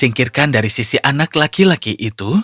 singkirkan dari sisi anak laki laki itu